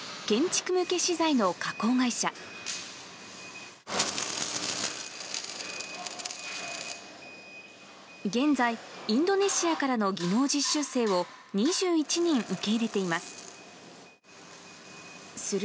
現在、インドネシアからの技能実習生を２１人受け入れています。